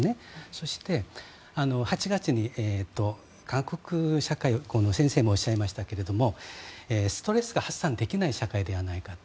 そして、８月に韓国社会先生もおっしゃいましたけどストレスが発散できない社会ではないかと。